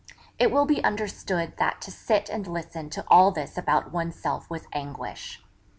It will be understood that to sit and listen to all this about oneself was anguish.